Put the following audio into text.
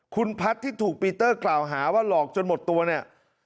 คุณพัฒน์ที่ถูกปีเตอร์กล่าวหาว่าหลอกจนหมดตัวเนี่ย